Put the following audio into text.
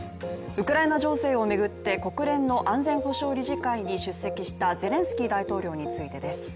ウクライナ情勢を巡って国連の安全保障理事会に出席したゼレンスキー大統領についてです。